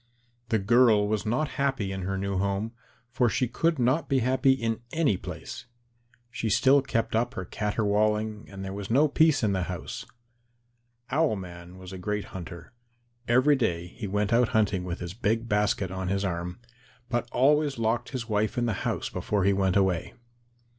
The girl was not happy in her new home, for she would not be happy in any place. She still kept up her caterwauling and there was no peace in the house. Owl man was a great hunter. Every day he went out hunting with his big basket on his arm, but he always locked his wife in the house before he went away.